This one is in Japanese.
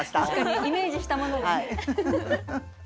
確かにイメージしたものがね。